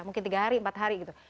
mungkin tiga hari empat hari gitu